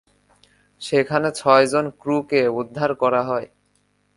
সেখানে ছয়জন ক্রুকে উদ্ধার করা হয়।